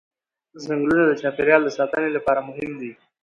ځنګلونه د چاپېریال د ساتنې لپاره مهم دي